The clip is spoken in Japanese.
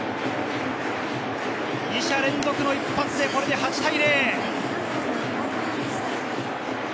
２者連続の一発で８対０。